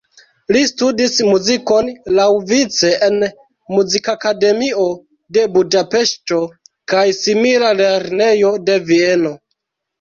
Li studis muzikon laŭvice en Muzikakademio de Budapeŝto kaj simila lernejo de Vieno.